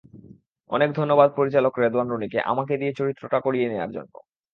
অনেক ধন্যবাদ পরিচালক রেদওয়ান রনিকে আমাকে দিয়ে চরিত্রটা করিয়ে নেওয়ার জন্য।